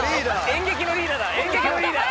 演劇のリーダー。